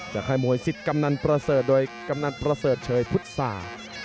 ค่ายมวยสิทธิ์กำนันประเสริฐโดยกำนันประเสริฐเชยพุทธศาสตร์